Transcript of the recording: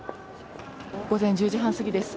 午前１０時半過ぎです。